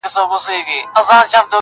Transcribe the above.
په لرغونو زمانو کي یو حاکم وو!